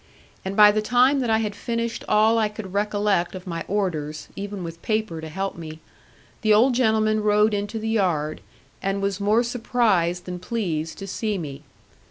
And by the time that I had finished all I could recollect of my orders, even with paper to help me, the old gentleman rode into the yard, and was more surprised than pleased to see me.